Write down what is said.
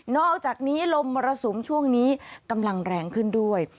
อกจากนี้ลมมรสุมช่วงนี้กำลังแรงขึ้นด้วย